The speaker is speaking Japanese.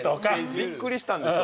びっくりしたんですよ